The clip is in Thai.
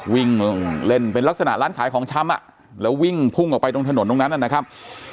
วิ่งเล่นเป็นลักษณะร้านขายของชำอ่ะแล้ววิ่งพุ่งออกไปตรงถนนตรงนั้นนะครับ